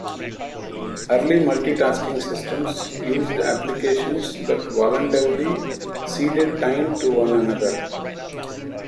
Early multitasking systems used applications that voluntarily ceded time to one another.